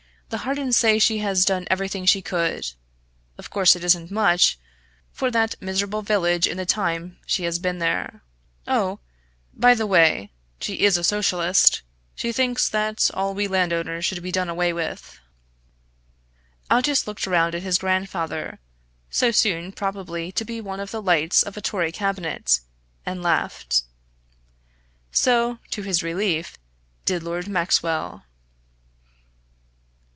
The Hardens say she has done everything she could of course it isn't much for that miserable village in the time she has been there. Oh! by the way, she is a Socialist. She thinks that all we landowners should be done away with." Aldous looked round at his grandfather, so soon probably to be one of the lights of a Tory Cabinet, and laughed. So, to his relief, did Lord Maxwell.